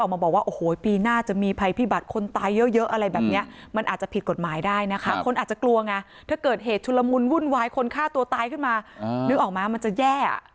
มันจะแย่อะมันจะยิ่งแย่เข้าไปใหญ่อะ